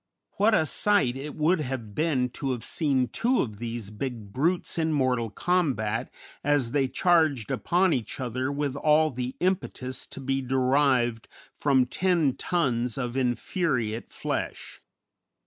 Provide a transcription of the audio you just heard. What a sight it would have been to have seen two of these big brutes in mortal combat as they charged upon each other with all the impetus to be derived from ten tons of infuriate flesh!